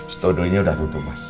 stodo ini sudah tutup mas